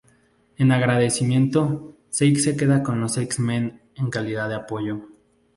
En agradecimiento, Sage se queda con los X-Men, en calidad de apoyo.